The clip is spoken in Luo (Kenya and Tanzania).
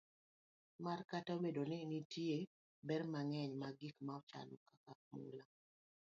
mar Kata obedo ni nitie ber mang'eny mag gik machalo kaka mula,